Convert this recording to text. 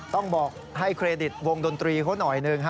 ต้องบอกให้เครดิตวงดนตรีเขาหน่อยหนึ่ง